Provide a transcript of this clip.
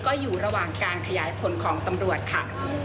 ก็อยู่ระหว่างการขยายผลของตำรวจค่ะ